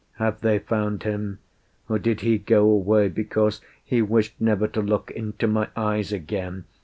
"Have they found Him? Or did He go away because He wished Never to look into my eyes again?